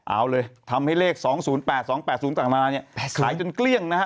เอาเลยทำให้เลขสองศูนย์แปดสองแปดศูนย์สำหรับนานี้แปดขายจนเกลี้ยงนะฮะ